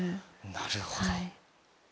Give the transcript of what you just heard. なるほど。